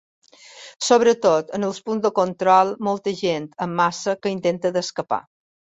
Sobretot, en els punts de control, molta gent, en massa, que intenta d’escapar.